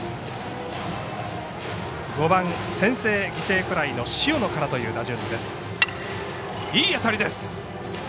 ５番、先制犠牲フライの塩野からという打順です。